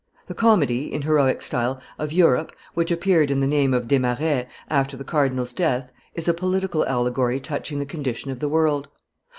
The comedy, in heroic style, of Europe, which appeared in the name of Desmarets, after the cardinal's death, is a political allegory touching the condition of the world.